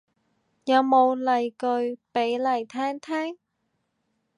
有冇例句俾嚟聽聽